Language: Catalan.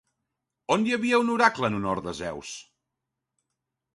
On hi havia un oracle en honor Zeus?